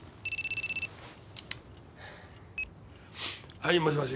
はいもしもし。